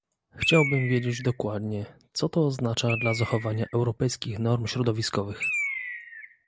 Chciałbym wiedzieć dokładnie, co to oznacza dla zachowania europejskich norm środowiskowych